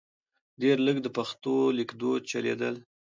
ډېر لږ د پښتو لیکدود چلیدل .